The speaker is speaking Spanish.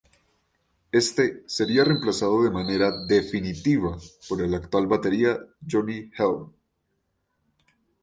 Éste sería reemplazado de manera definitiva por el actual batería Jonny Helm.